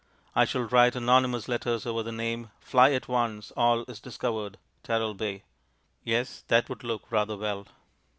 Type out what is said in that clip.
I shall write anonymous letters over the name. "Fly at once; all is discovered Teralbay." Yes, that would look rather well.